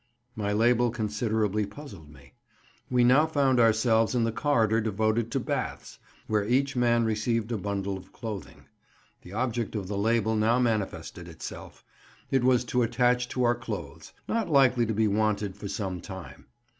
My label considerably puzzled me. We now found ourselves in the corridor devoted to baths, where each man received a bundle of clothing. The object of the label now manifested itself; it was to attach to our clothes—not likely to be wanted for some time.